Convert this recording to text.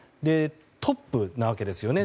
トップなわけですよね